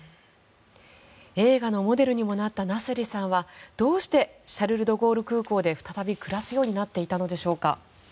映画のモデルにもなったナセリさんはどうしてシャルル・ドゴール空港で再び暮らすようになっていたのでしょうか。